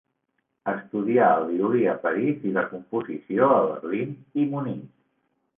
Estudià el violí a París i la composició a Berlín i Munic.